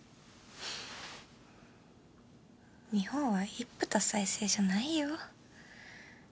日本は一夫多妻制じゃないよ？